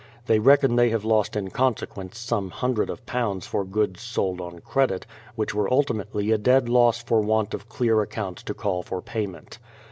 They reckon they have lost in consequence some hundred of pounds for goods sold on credit, which were ultimately a dead loss for want of clear accounts to call for payment.